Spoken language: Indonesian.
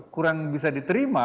kurang bisa diterima